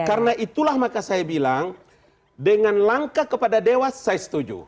karena itulah maka saya bilang dengan langkah kepada dewas saya setuju